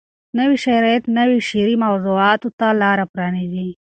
نوي شرایط نویو شعري موضوعاتو ته لار پرانیزي.